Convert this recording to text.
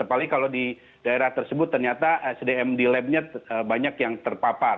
apalagi kalau di daerah tersebut ternyata sdm di labnya banyak yang terpapar